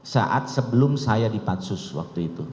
saat sebelum saya di patsus waktu itu